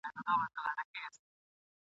بریالیتوب د علم او پوهي په ترلاسه کولو کي دئ.